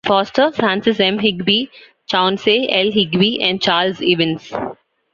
Foster, Francis M. Higbee, Chauncey L. Higbee and Charles Ivins.